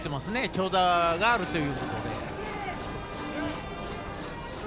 長打が出るということで。